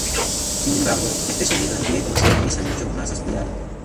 Sin embargo, este sonido en griego se realiza mucho más aspirado.